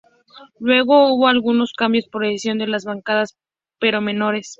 Luego hubo algunos cambios por decisión de las bancadas, pero menores.